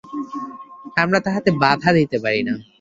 আমরা তাহাতে বাধা দিতে পারি না।